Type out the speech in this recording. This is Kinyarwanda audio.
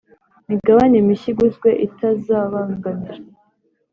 Migabane mishya iguzwe itazabangamira